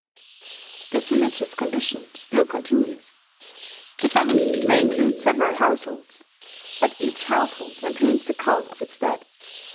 This religious condition still continues. The family may include several households; but each household maintains the cult of its dead.